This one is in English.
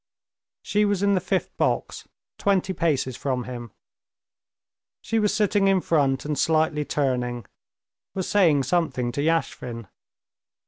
She was in the fifth box, twenty paces from him. She was sitting in front, and slightly turning, was saying something to Yashvin.